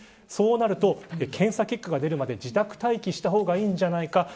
そうなると、検査結果が出るまで自宅待機した方がいいんじゃないか。